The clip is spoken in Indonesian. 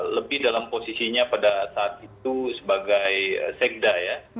lebih dalam posisinya pada saat itu sebagai sekda ya